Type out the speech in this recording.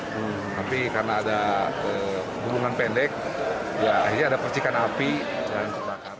tapi karena ada hubungan pendek ya ini ada percikan api dan kebakaran